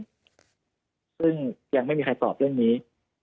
ซึ่งยังไม่มีใครตอบเรื่องนี้